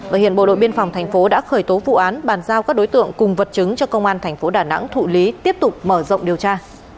và hiện bộ đội biên phòng thành phố đã khởi tố vụ án bàn giao các đối tượng cùng vật chứng cho công an thành phố đà nẵng thụ lý tiếp tục mở rộng điều tra